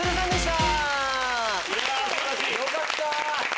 よかった！